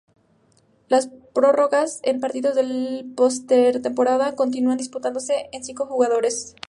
Las prórrogas en partidos de postemporada continúan disputándose con cinco jugadores de campo.